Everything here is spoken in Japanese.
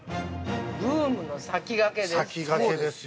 ◆ブームの先駆けです。